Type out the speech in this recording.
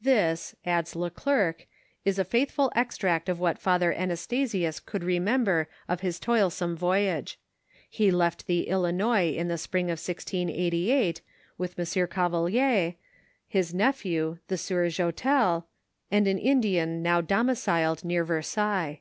This, adds le Glercq, is a faithful extract of what Father Anastasius could remember of his toilsome voyage. He left the Hinois in the spring of 1688, with M. Cavelier, his nephew, the sieur Joustel, and an Indian now domiciled near Versailles.